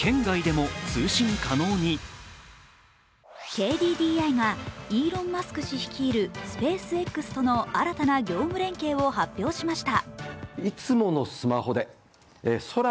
ＫＤＤＩがイーロン・マスク氏率いるスペースＸとの新たな業務連携を発表しました。